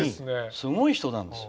すごい人なんですよ。